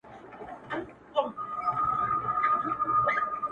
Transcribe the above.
• راته مه وایه چي ژوند دی بې مفهومه تش خوبونه -